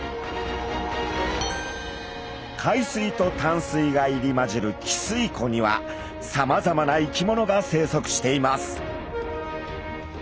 海水と淡水が入り混じる汽水湖にはさまざまな生き物が生息しています。